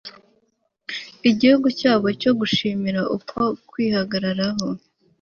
igihugu cyabo cyo gushimira, uko kwihagararaho